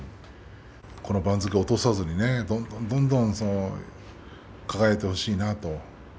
この番付を落とさずにどんどん、どんどん輝いてほしいなと。